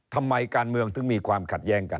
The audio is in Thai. ทำไมการเมืองถึงมีความขัดแย้งกัน